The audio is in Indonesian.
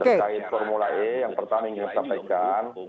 terkait formula e yang pertama ingin saya sampaikan